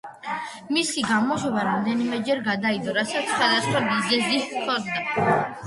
მისი გამოშვება რამდენიმეჯერ გადაიდო, რასაც სხვადასხვა მიზეზი ჰქონდა.